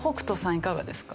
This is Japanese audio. いかがですか？